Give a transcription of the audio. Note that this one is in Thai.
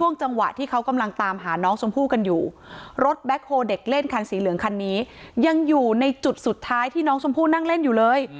ช่วงจังหวะที่เขากำลังตามหาน้องชมพู่กันอยู่รถแบ็คโฮเด็กเล่นคันสีเหลืองคันนี้ยังอยู่ในจุดสุดท้ายที่น้องชมพู่นั่งเล่นอยู่เลย